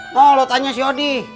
kok lo tanya si odi